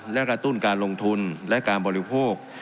และกระตุ้นการลงทุนและการบริโภค